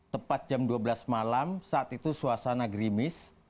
tepat jam dua belas malam saat itu suasana grimis